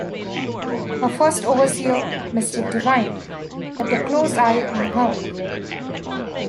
Her first overseer, Mr. Divine, kept a close eye on her.